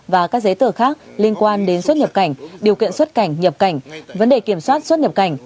và các giấy tờ khác liên quan đến xuất nhập cảnh điều kiện xuất cảnh nhập cảnh vấn đề kiểm soát xuất nhập cảnh